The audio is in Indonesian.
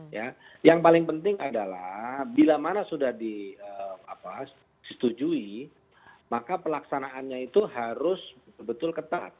ya yang paling penting adalah bila mana sudah disetujui maka pelaksanaannya itu harus betul betul ketat